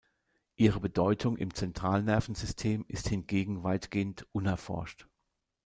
Ihre Bedeutung im Zentralnervensystem ist hingegen weitgehend unerforscht.